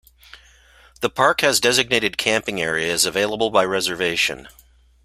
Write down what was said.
The park has designated camping areas available by reservation.